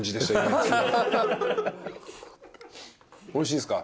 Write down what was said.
おいしいですか？